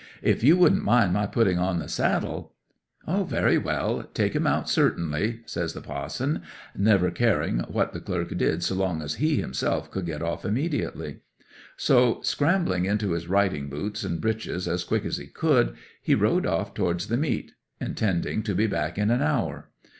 If you wouldn't mind my putting on the saddle—" '"Very well. Take him out, certainly," says the pa'son, never caring what the clerk did so long as he himself could get off immediately. So, scrambling into his riding boots and breeches as quick as he could, he rode off towards the meet, intending to be back in an hour.